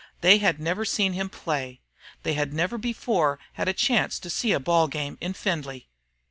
They had never seen him play. They had never before had a chance to see a ball game in Findlay.